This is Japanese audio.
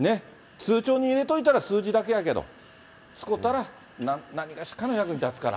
通帳に入れといたら数字だけやけど、つこうたら何がしらの役に立つから。